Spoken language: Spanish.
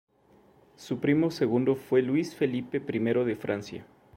Su primo segundo fue Luis Felipe I de Francia.